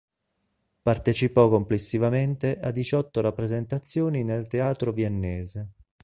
Partecipò complessivamente a diciotto rappresentazioni nel teatro viennese.